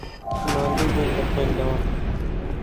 ماندوو بووم لە خوێندنەوە.